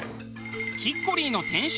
キッコリーの店主